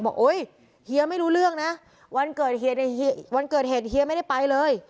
บอกเฮียไม่รู้เรื่องนะวันเกิดเหตุเฮียไม่ได้ไปเลย